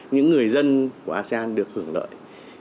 những người dân của asean được hưởng lợi